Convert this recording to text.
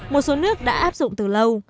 một số nước đã áp dụng từ lâu